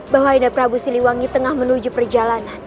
bahwa ayah anda prabu siliwangi tengah menuju perjalanan